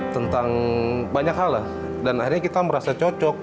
tentang banyak hal lah dan akhirnya kita merasa cocok